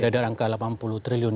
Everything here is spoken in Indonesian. dari angka delapan puluh triliun